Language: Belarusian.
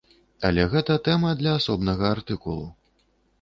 Але гэта тэма для асобнага артыкулу.